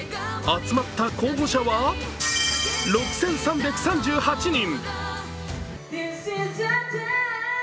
集まった候補者は６３３８人。